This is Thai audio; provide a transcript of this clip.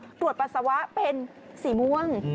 ตรวจปัสสาวะเป็นสีม่วง